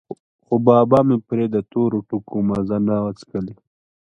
خو بابا مې پرې د تورو ټکو مزه نه وڅکلې.